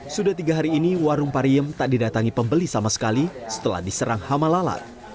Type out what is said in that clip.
sudah tiga hari ini warung pariem tak didatangi pembeli sama sekali setelah diserang hama lalat